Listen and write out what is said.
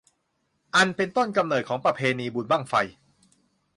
อันเป็นต้นกำเนิดของประเพณีบุญบั้งไฟ